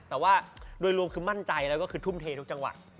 แต่ว่าโดยรวมคือมั่นใจแล้วก็คือทุ่มเททุกจังหวัด